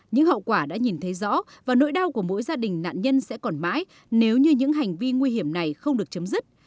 những hậu quả đã nhìn thấy rõ và nỗi đau của mỗi gia đình nạn nhân sẽ còn mãi nếu như những hành vi nguy hiểm này không được chấm dứt